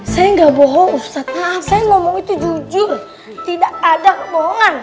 saya nggak bohong ustadz saya ngomong itu jujur tidak ada kebohongan